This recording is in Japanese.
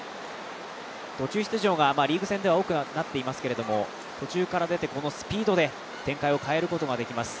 途中出場がリーグ戦では多くなっていますけれども、途中から出て、このスピードで展開を変えることができます。